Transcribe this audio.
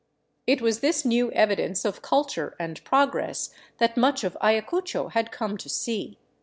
It was this new evidence of culture and progress that much of Ayacucho had come to see.